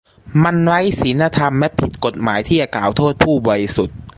มันไร้ศีลธรรมและผิดกฎหมายที่จะกล่าวโทษผู้บริสุทธิ์